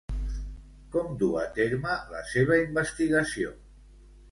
Com du a terme la seva investigació?